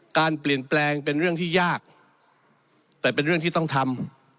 การเปลี่ยนแปลงเป็นเรื่องที่ยากแต่เป็นเรื่องที่ต้องทำ